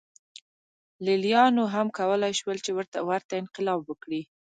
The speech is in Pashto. لېلیانو هم کولای شول چې ورته انقلاب وکړي.